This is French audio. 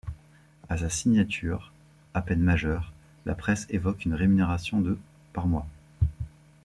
À sa signature, à peine majeure, la presse évoque une rémunération de par mois.